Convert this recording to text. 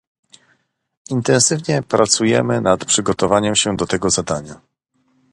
Intensywnie pracujemy nad przygotowaniem się do tego zadania